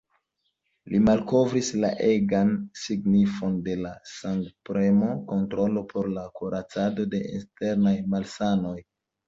Li malkovris la egan signifon de la sangopremo-kontrolo por la kuracado de internaj malsanoj.